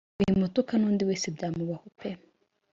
wimutuka nundi wese byamubaho pe!